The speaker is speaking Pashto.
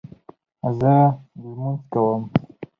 زه لمونځ کوم